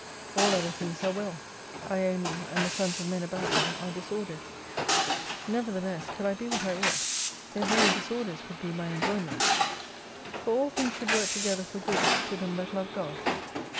All other things are well ; I only, and the sons of men about me, are disordered. Nevertheless could I be what I ought, their very disorders would be my enjoyments. For all things should work together for good to them that love God.